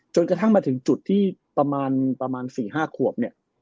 กระทั่งมาถึงจุดที่ประมาณ๔๕ขวบเนี่ย